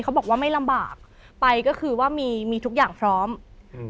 เขาบอกว่าไม่ลำบากไปก็คือว่ามีมีทุกอย่างพร้อมอืม